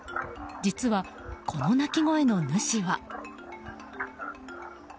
実は、この鳴き声の主は。